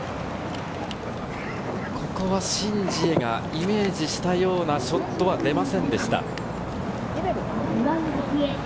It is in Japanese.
ここはシン・ジエがイメージしたようなショットは出ませんでした。